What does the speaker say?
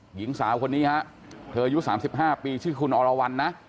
หญิงสาวคนนี้ฮะเธออายุ๓๕ปีชื่อคุณอรวรรณนะ